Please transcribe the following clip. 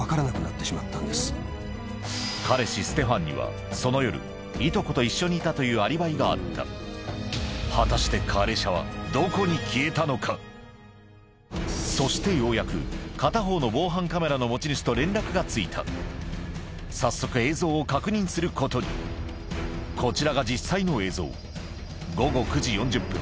彼氏ステファンにはその夜いとこと一緒にいたというアリバイがあった果たしてそしてようやく早速映像を確認することにこちらが午後９時４０分